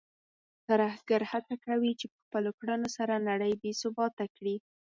ترهګر هڅه کوي چې په خپلو کړنو سره نړۍ بې ثباته کړي.